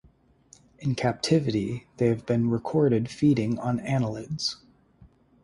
In captivity they have been recorded feeding on annelids.